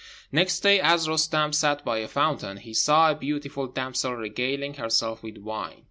Next day, as Roostem sat by a fountain, he saw a beautiful damsel regaling herself with wine.